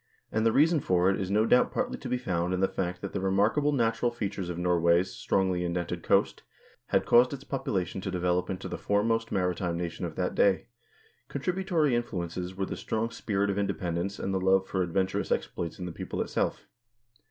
And the reason for it is no doubt partly to be found in the fact that the remark able natural features of Norway's strongly indented coast, had caused its population to develop into the foremost maritime nation of that day ; contributory influences were the strong spirit of independence and the love for adventurous exploits in the people itself.